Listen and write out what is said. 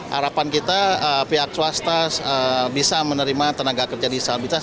harapan kita pihak swasta bisa menerima tenaga kerja disabilitas